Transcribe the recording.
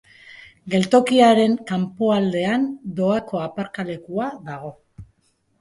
Geltokiaren kanpoaldean doako aparkalekua dago.